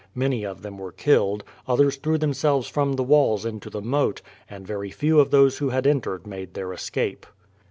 Many of them were killed, others threw themselves from the walls into the moat, and very few of those who had entered made their escape.